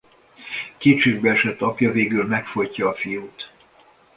Kétségbeesett apja végül megfojtja a fiút.